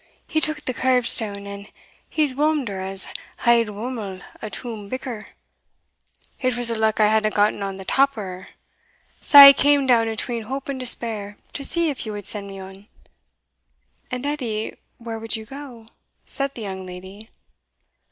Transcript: he took the curbstane, and he's whomled her as I wad whomle a toom bicker it was a luck I hadna gotten on the tap o' her. Sae I came down atween hope and despair, to see if ye wad send me on." "And, Edie where would ye go?" said the young lady.